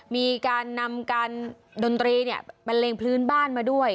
มีการนำการดนตรีบันเลงพื้นบ้านมาด้วย